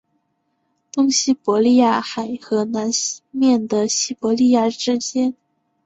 东西伯利亚海和南面的西伯利亚之间。